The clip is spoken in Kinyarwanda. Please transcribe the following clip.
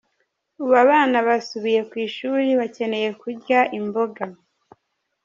Ubu abana basubiye ku ishuri bakeneye kurya imboga .